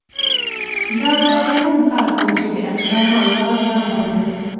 دا به کوم خلق وو چې د اکرام الله ګران غوندې